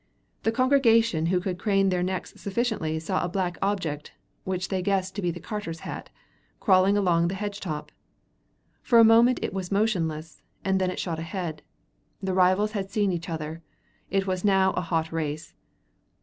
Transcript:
The congregation who could crane their necks sufficiently saw a black object, which they guessed to be the carter's hat, crawling along the hedge top. For a moment it was motionless, and then it shot ahead. The rivals had seen each other. It was now a hot race.